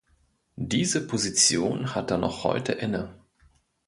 Diese Position hat er noch heute inne.